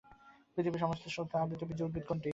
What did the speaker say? পৃথিবীর সবচেয়ে ছোট আবৃতবীজী উদ্ভিদ কোনটি?